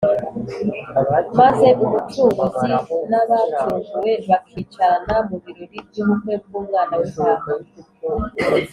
maze Umucunguzi n’abacunguwe bakicarana mu birori by’ubukwe bw’umwana w’intama